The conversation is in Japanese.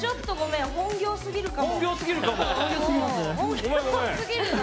生業すぎるかも。